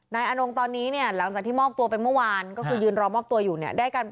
อนงตอนนี้เนี่ยหลังจากที่มอบตัวไปเมื่อวานก็คือยืนรอมอบตัวอยู่เนี่ย